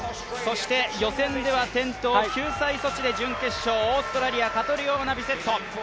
予選では転倒、救済措置で準決勝、オーストラリア、カトリオーナ・ビセット。